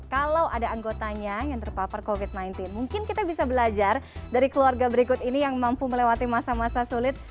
kalau ada anggotanya yang terpapar covid sembilan belas mungkin kita bisa belajar dari keluarga berikut ini yang mampu melewati masa masa sulit